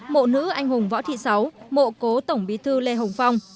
mộ nữ anh hùng võ thị sáu mộ cố tổng bí thư lê hồng phong